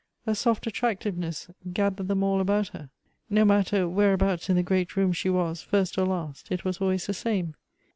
A soft attractiveness g.athered them all about her ; no matter whereabouts in the great rooms she was, first or last, it was always the same.